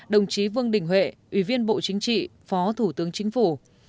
một mươi hai đồng chí vương đình huệ ủy viên bộ chính trị phó thủ tướng chính phủ